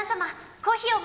コーヒーをお持ち。